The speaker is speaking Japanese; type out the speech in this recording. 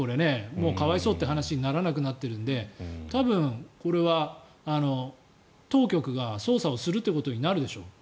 もう可哀想って話にならなくなっているので多分これは当局が捜査をするということになるでしょう。